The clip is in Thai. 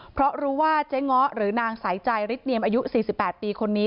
เพราะรู้ว่าเจ๊ง้อหรือนางใส่ใจริตเนียม๔๘ปีคนนี้